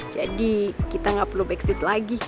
jadi kita gak perlu backstreet lagi